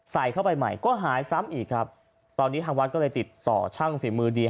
ใส่เข้าไปใหม่ก็หายซ้ำอีกครับตอนนี้ทางวัดก็เลยติดต่อช่างฝีมือดี